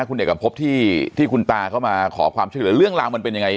คุณเอกพบที่คุณตาเข้ามาขอความช่วยเหลือเรื่องราวมันเป็นยังไง